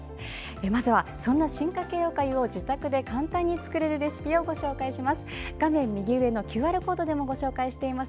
まず、そんな進化形おかゆを自宅で簡単に作れるレシピをご紹介します。